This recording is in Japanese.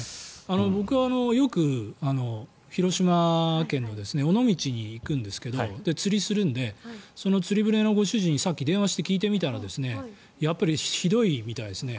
僕はよく、広島県の尾道に行くんですけど釣りをするのでその釣り船のご主人にさっき電話して聞いてみたらやっぱりひどいみたいですね。